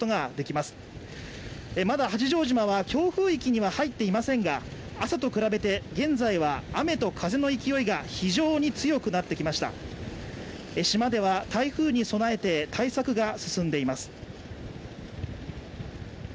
まだ八丈島は強風域には入っていませんが朝と比べて現在は雨と風の勢いが非常に強くなってきました島では台風に備えて対策が進んでいます